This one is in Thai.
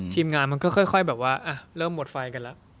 ทีมงานมันค่อยเริ่มหมดไฟกันแล้ว